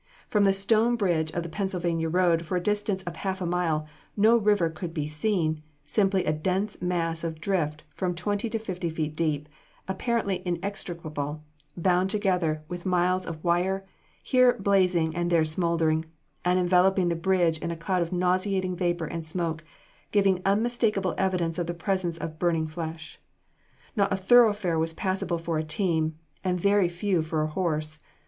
From the Stone Bridge of the Pennsylvania Road, for a distance of half a mile, no river could be seen, simply a dense mass of drift from twenty to fifty feet deep, apparently inextricable, bound together with miles of wire, here blazing and there smoldering, and enveloping the bridge in a cloud of nauseating vapor and smoke, giving unmistakable evidence of the presence of burning flesh. Not a thoroughfare was passable for a team, and very few for a horse.